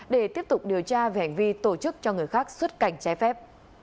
để tiếp tục điều tra về hành vi tổ chức cho người khác xuất cảnh trái phép